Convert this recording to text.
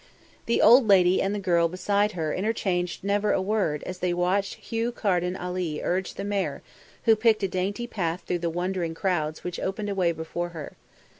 The old lady and the girl beside her interchanged never a word as they watched Hugh Carden Ali urge the mare who picked a dainty path through the wondering crowds which opened a way before her.